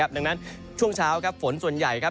ดังนั้นช่วงเช้าฝนส่วนใหญ่ครับ